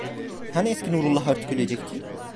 Hani eski Nurullah artık ölecekti?